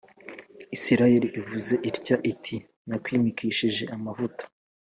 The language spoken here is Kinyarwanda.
Isirayeli ivuze itya iti Nakwimikishije amavuta